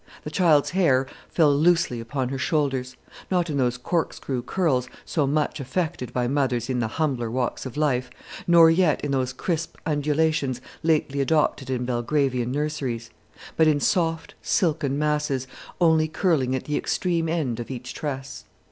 The child's hair fell loosely upon her shoulders; not in those corkscrew curls so much affected by mothers in the humbler walks of life, nor yet in those crisp undulations lately adopted in Belgravian nurseries; but in soft silken masses, only curling at the extreme end of each tress.